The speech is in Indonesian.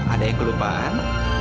ada yang kelupaan